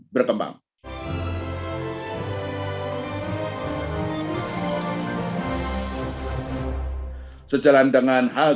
berkembang sejalan dengan hal